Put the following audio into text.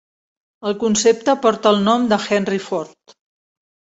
El concepte porta el nom de Henry Ford.